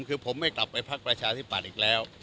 คือผมไม่กลับไปพักประชาธิปัตย์อีกแล้ว